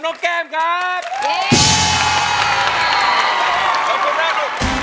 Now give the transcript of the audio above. โปร่งภาพให้ได้แล้ว